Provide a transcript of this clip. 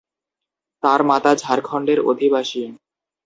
তার মাতা ঝাড়খণ্ডের অধিবাসী।